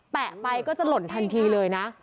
ไปก็จะหล่นทันทีเลยนะ